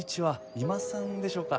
三馬さんでしょうか？